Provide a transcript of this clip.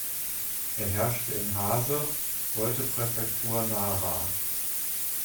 Er herrschte in Hase, heute Präfektur Nara.